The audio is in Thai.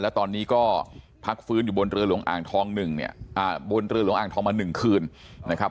และตอนนี้ก็พักฟื้นอยู่บนเรือหลวงอ่างท้องมา๑คืนนะครับ